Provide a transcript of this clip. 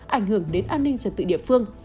ảnh hưởng đến an ninh trật tự địa phương